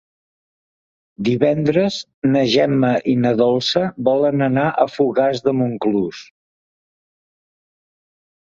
Divendres na Gemma i na Dolça volen anar a Fogars de Montclús.